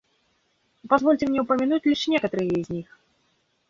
Позвольте мне упомянуть лишь некоторые из них.